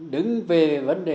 đứng về vấn đề